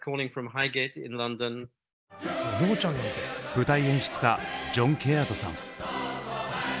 舞台演出家ジョン・ケアードさん。